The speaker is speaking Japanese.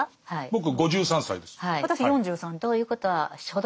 僕５３歳です。